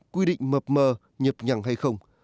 quy định mập mờ nhập nhằng hay không